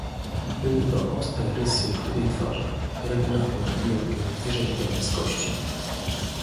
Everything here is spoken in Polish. "Były to ostre rysy chudej twarzy, regularne i jakby wyrzeźbione z kości."